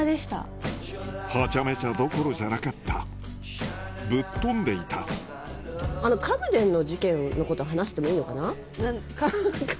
はちゃめちゃどころじゃなかったぶっ飛んでいたカムデンの事件のこと話してもいいのかな？